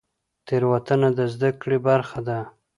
تیروتنه د زده کړې برخه ده؟